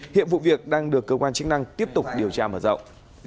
hiện vụ việc đang được cơ quan chức năng tiếp tục điều tra mở rộng